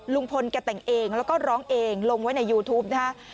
ลุงพลแกแต่งเองแล้วก็ร้องเองลงไว้ในยูทูปนะฮะ